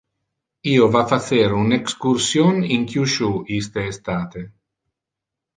Io va facer un excursion in Kyushu iste estate.